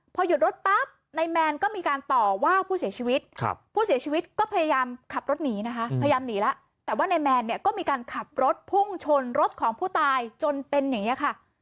พอหยุดรถปั๊บนายแมนก็มีการต่อว่าผู้เสียชีวิตผู้เสียชีวิตก็พยายามขับรถหนีนะคะพยายามหนีแล้วแต่ว่านายแมนเนี่ยก็มีการขับรถพุ่งชนรถของผู้ตายจนเป็นอย่างนี้ค่ะ